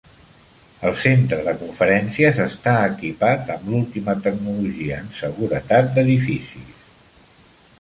El Centre de Conferències està equipat amb l'última tecnologia en seguretat d'edificis.